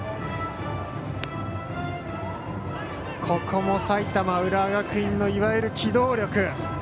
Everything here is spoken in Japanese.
ここも埼玉、浦和学院のいわゆる機動力。